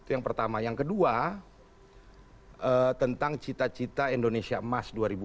itu yang pertama yang kedua tentang cita cita indonesia emas dua ribu dua puluh